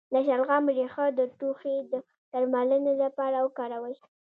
د شلغم ریښه د ټوخي د درملنې لپاره وکاروئ